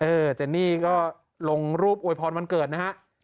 เจนนี่ก็ลงรูปอวยพรวันเกิดนะฮะ